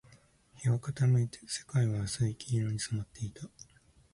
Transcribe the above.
日は傾いて、世界は薄い黄色に染まっていた